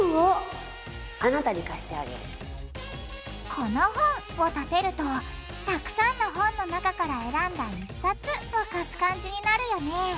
でも「この本」をたてるとたくさんの本の中から選んだ１冊を貸す感じになるよね